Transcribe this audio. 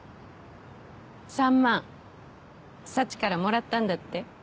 ３万サチからもらったんだって？